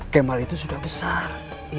kemal itu sudah besar